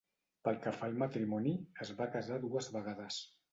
Pel que fa al matrimoni, es va casar dues vegades.